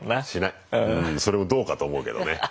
うんそれもどうかと思うけどね。